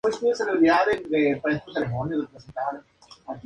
Esta frase se tomó tras una campaña publicitaria.